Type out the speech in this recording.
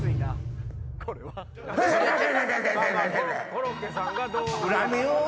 コロッケさんがどう。